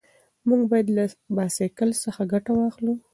موږ باید له بایسکل څخه ګټه واخلو.